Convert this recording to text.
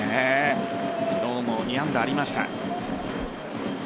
昨日も２安打ありました。